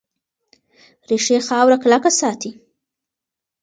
ریښې خاوره کلکه ساتي.